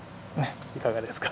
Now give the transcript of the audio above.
いかがですか？